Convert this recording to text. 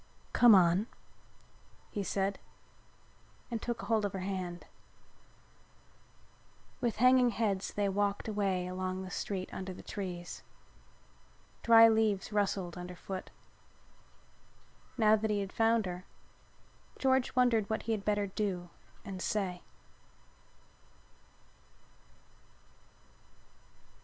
"Come on," he said and took hold of her hand. With hanging heads they walked away along the street under the trees. Dry leaves rustled under foot. Now that he had found her George wondered what he had better do and say.